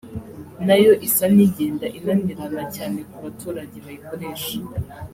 na yo isa n’igenda inanirana cyane ku baturage bayikoresha